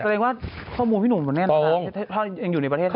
ก็เรียกว่าข้อมูลพี่หนุ่มแน่นถ้าอยู่ในประเทศไทย